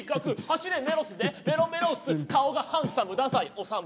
「走れメロス」でメロメロっす顔がハンサム太宰治